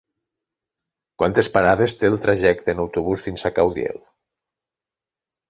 Quantes parades té el trajecte en autobús fins a Caudiel?